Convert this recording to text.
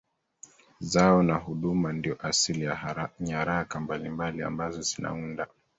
zao na huduma Ndiyo asili ya nyaraka mbalimbali ambazo zinaunda